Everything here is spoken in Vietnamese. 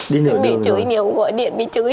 đi nửa đường rồi